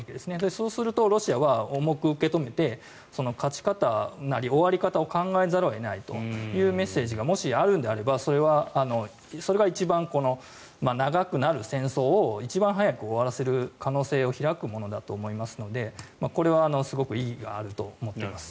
そうするとロシアは重く受け止めて勝ち方なり終わり方を考えざるを得ないというメッセージがもし、あるんであればそれが一番、長くなる戦争を一番早く終わらせる可能性を開くものだと思いますのでこれはすごく意義があると思っています。